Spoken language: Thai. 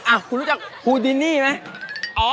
อ้าวคุณรู้จักฮูดินี่ไหม